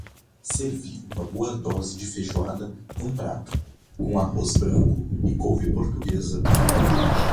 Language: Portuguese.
Servi uma boa dose de feijoada num prato, com arroz branco e couve portuguesa.